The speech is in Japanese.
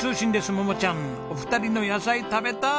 桃ちゃんお二人の野菜食べたい。